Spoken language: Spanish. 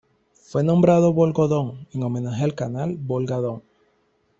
Fue nombrado Volgo-Don en homenaje al Canal Volga-Don.